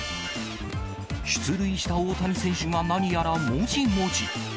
出塁した大谷選手が何やらもじもじ。